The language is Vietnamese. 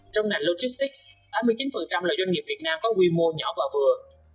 trong nạn logistics tám mươi chín là doanh nghiệp việt nam có quy mô nhỏ và vừa